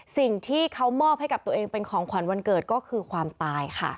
สิ่งที่เขามอบให้กับตัวเองเป็นของขวัญวันเกิดก็คือความตายค่ะ